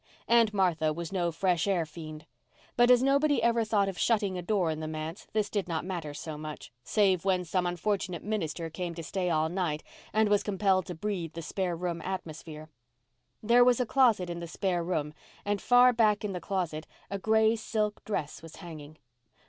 Aunt Martha was no fresh air fiend. But as nobody ever thought of shutting a door in the manse this did not matter so much, save when some unfortunate minister came to stay all night and was compelled to breathe the spare room atmosphere. There was a closet in the spare room and far back in the closet a gray silk dress was hanging.